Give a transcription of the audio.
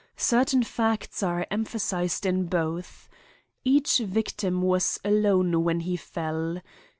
"Certain facts are emphasized in both: "Each victim was alone when he fell.